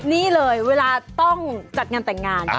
นี่เลยเวลาต้องจัดงานแต่งงาน